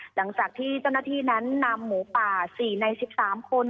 หลังจากที่เจ้าหน้าที่นั้นนำหมูป่า๔ใน๑๓คน